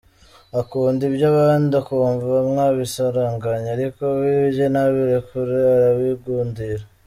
Akunda iby’abandi akumva mwabisaranganya ariko we ibye ntabirekure arabigundira.